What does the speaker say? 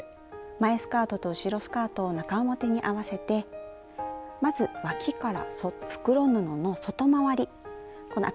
前スカートと後ろスカートを中表に合わせてまずわきから袋布の外回りこの赤い部分ですね。